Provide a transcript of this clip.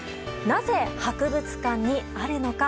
なぜ、博物館にあるのか。